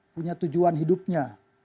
punya tujuan hidupnya